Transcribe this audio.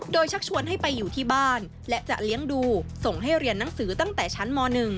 โดยชักชวนให้ไปอยู่ที่บ้านและจะเลี้ยงดูส่งให้เรียนหนังสือตั้งแต่ชั้นม๑